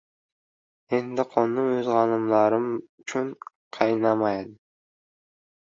Endi qonim o‘z g‘animlarim uchun qaynamadi.